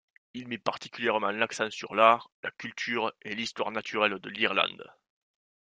Il met particulièrement l'accent sur l'art, la culture et l'histoire naturelle de l'Irlande.